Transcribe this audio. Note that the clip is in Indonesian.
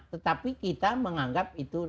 tetapi kita menganggap itu